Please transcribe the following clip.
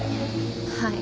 はい。